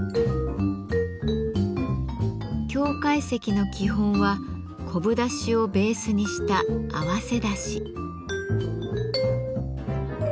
京懐石の基本は昆布だしをベースにした「合わせだし」。